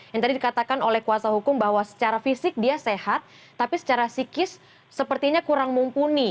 yang tadi dikatakan oleh kuasa hukum bahwa secara fisik dia sehat tapi secara psikis sepertinya kurang mumpuni